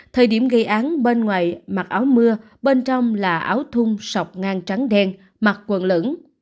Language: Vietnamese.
thời điểm gây án bên ngoài mặc áo mưa bên trong là áo thun sọc ngang trắng đen mặt quần lẫn